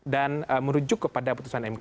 dan merujuk kepada putusan mk